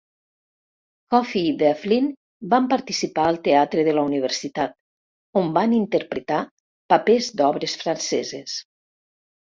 Coffey i Devlin van participar al teatre de la universitat, on van interpretar papers d'obres franceses.